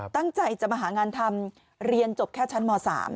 ตั้งใจจะมาหางานทำเรียนจบแค่ชั้นม๓